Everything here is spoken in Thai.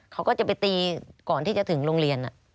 เขาก็จะไปตีก่อนที่จะถึงโรงเรียน